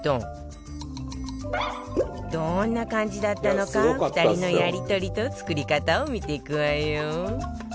どんな感じだったのか２人のやり取りと作り方を見ていくわよ